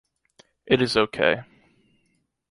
It is okay...